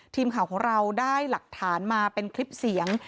ทีมข่าวของเราได้หลักฐานมาเป็นคลิปเสียง